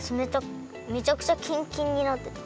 めちゃくちゃキンキンになってた。